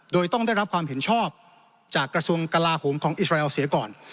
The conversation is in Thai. โดยต้องได้รับความเห็นชอบจากกระทรวงกลาโหมของอิสราเอลเสียก่อน